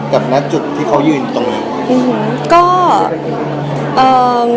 กับณจุดที่เขายืนตรงไหน